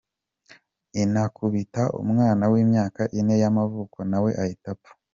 Inakubita umwana w’imyaka ine y’amavuko nawe ahita apfa.